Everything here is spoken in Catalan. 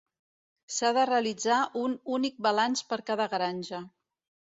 S'ha de realitzar un únic balanç per cada granja.